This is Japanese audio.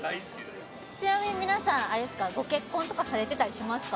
ちなみに皆さんあれですかご結婚とかされてたりしますか？